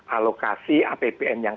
alokasi apbn yang